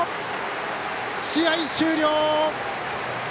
試合終了。